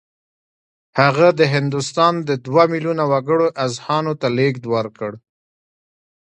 هغه د هندوستان د دوه میلیونه وګړو اذهانو ته لېږد ورکړ